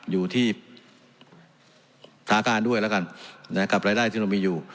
อยู่ที่สาการด้วยแล้วกันกับรายได้ที่มันมีอยู่